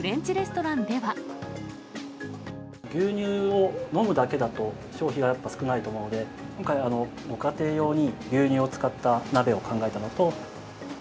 牛乳を飲むだけだと、消費がやっぱ少ないと思うので、今回、ご家庭用に牛乳を使った鍋を考えたのと。